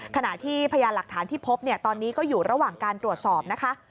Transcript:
ขณะที่พยานหลักฐานที่พบตอนนี้ก็อยู่ระหว่างการตรวจสอบนะคะ